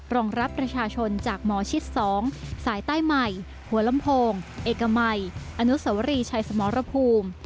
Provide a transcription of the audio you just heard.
รองรับประชาชนจากหมอชิด๒สายใต้ใหม่หัวลำโพงเอกมัยอนุสวรีชัยสมรภูมิ